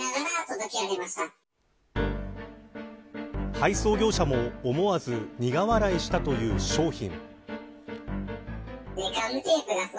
配送業者も思わず苦笑いしたという商品。